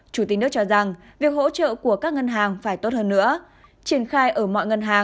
chủ tịch nước cho rằng việc hỗ trợ của các ngân hàng phải tốt hơn nữa